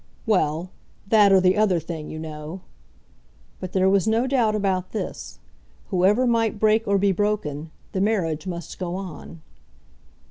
"Well; that, or the other thing, you know." But there was no doubt about this; whoever might break or be broken, the marriage must go on.